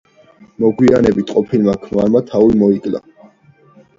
მოგვიანებით ყოფილმა ქმარმა თავი მოიკლა.